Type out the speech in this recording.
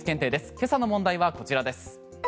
今朝の問題はこちらです。